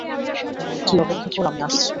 তুই অপেক্ষা কর, আমি আসছি।